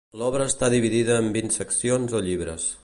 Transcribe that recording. L'obra està dividida en vint seccions o llibres.